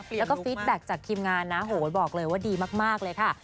แล้วก็ฟิตแบ็คจากทีมงานนะโหบอกเลยว่าดีมากเลยค่ะ